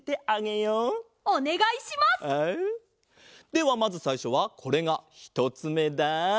ではまずさいしょはこれがひとつめだ。